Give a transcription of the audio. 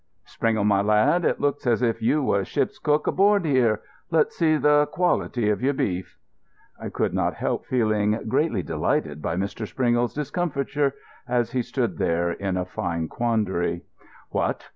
Springle, my lad, it looks as if you was ship's cook aboard here. Let's see the quality of your beef." I could not help feeling greatly delighted by Mr. Springle's discomfiture as he stood there in a fine quandary. "What!